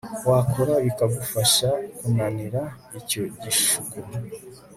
wakora bikagufasha kunanira icyo gishuko